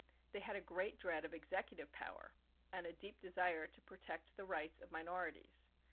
They had a great dread of executive power and a deep desire to protect the rights of minor ities.